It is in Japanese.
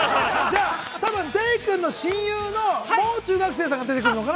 デイくんの親友の、もう中学生さんが出てくるのかな？